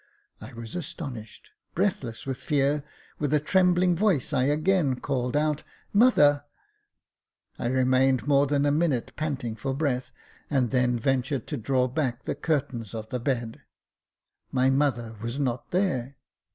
I was astonished — breathless with fear, with a trembling voice, I again lo Jacob Faithful called out " Mother !" I remained more than a minute panting for breath, and then ventured to draw back the curtains of the bed — my mother was not there